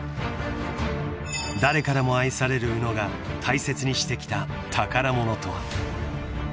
［誰からも愛される宇野が大切にしてきた宝物とは］